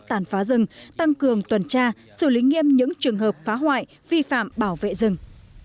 tàn phá rừng tăng cường tuần tra xử lý nghiêm những trường hợp phá hoại vi phạm bảo vệ rừng